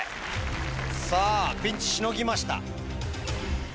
さぁピンチしのぎました。